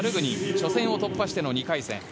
初戦を突破しての２回戦。